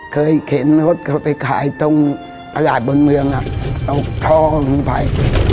เคยเคลียร์รถเขาไปขายตรงประหลาดบนเมืองอ่ะตกท้องไป